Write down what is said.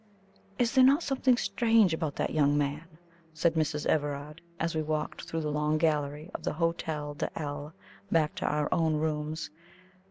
"Is there not something strange about that young man?" said Mrs. Everard, as we walked through the long gallery of the Hotel de L back to our own rooms.